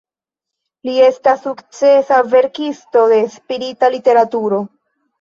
Li estas sukcesa verkisto de spirita literaturo.